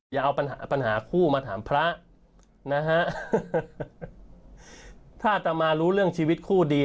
อย่าเอาปัญหาปัญหาคู่มาถามพระนะฮะถ้าอัตมารู้เรื่องชีวิตคู่ดี